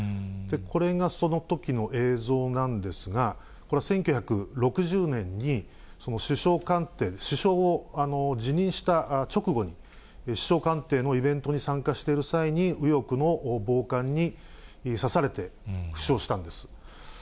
これがそのときの映像なんですが、これは１９６０年に、首相官邸、首相を辞任した直後に、首相官邸のイベントに参加している際に、右翼の暴漢に刺されて負傷したんです。